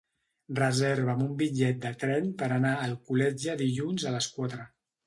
Reserva'm un bitllet de tren per anar a Alcoletge dilluns a les quatre.